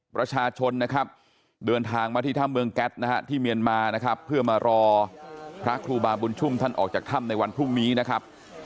ประชาชนนะครับเดินทางมาที่ถ้ำเมืองแก๊สนะฮะที่เมียนมานะครับเพื่อมารอพระครูบาบุญชุ่มท่านออกจากถ้ำในวันพรุ่งนี้นะครับ